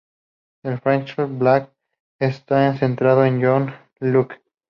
El flashback está centrado en John Locke.